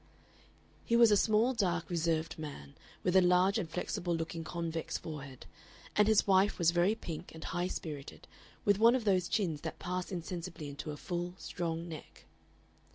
He was a small, dark, reserved man, with a large inflexible looking convex forehead, and his wife was very pink and high spirited, with one of those chins that pass insensibly into a full, strong neck.